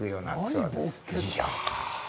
いや。